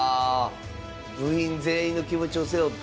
部員全員の気持ちを背負って。